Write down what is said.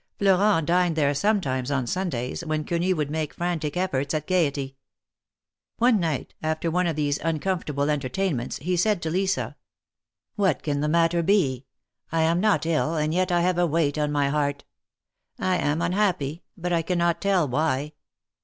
Florent dined there sometimes on Sundays, when Quenu would make frantic eftbrts at gayety. One night, after one of these uncomfortable entertain ments, he said to Lisa ; 266 THE MARKETS OF PARIS. What can the matter he ? I am not ill, and yet I have a weight on my heart. I am unhappy, but I cannot tell why.